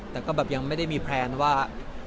แต่ก็แบบยังไม่ได้มีแพลนว่า